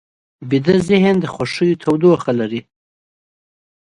ویده ذهن د خوښیو تودوخه لري